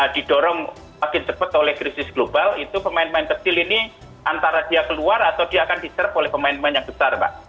didorong makin cepat oleh krisis global itu pemain pemain kecil ini antara dia keluar atau dia akan diserve oleh pemain pemain yang besar mbak